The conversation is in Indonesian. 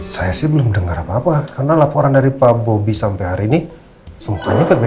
saya sih belum mendengar apa apa karena laporan dari pak bobi sampai hari ini semuanya berbeda